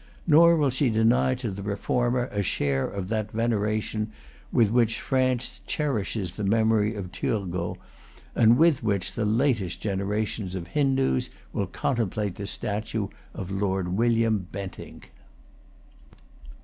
Nor will she deny to the reformer a share of that veneration with which France cherishes the memory of Turgot, and with which the latest generations of Hindoos will contemplate the statue of Lord William Bentinck.